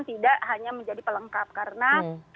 tidak hanya menjadi pelengkap karena